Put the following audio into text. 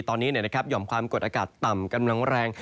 ตอนนี้หย่อมความกดอากาศต่ำกำลังแรง